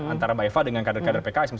antara mbak eva dengan kader kader pks